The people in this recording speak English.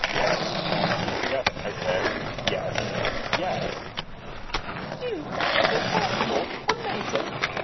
"Yes, yes," I said, "yes, yes." "You? Impossible! A mason?"